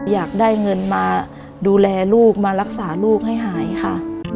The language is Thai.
อยากได้เงินมาดูแลลูกมารักษาลูกให้หายค่ะ